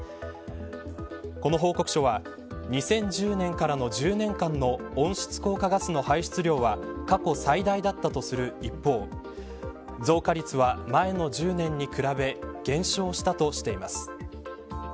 この報告書は２０１０年からの１０年間の温室効果ガスの排出量は過去最大だったとする一方増加率は前の１０年に比べ減少したとしています。